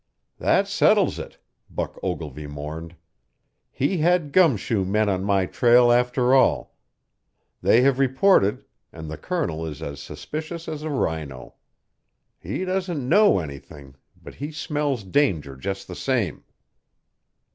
"That settles it," Buck Ogilvy mourned. "He had gum shoe men on my trail, after all; they have reported, and the Colonel is as suspicious as a rhino. He doesn't know anything, but he smells danger just the same."